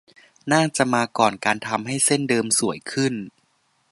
น่าจะมาก่อนการทำให้เส้นเดิมสวยขึ้น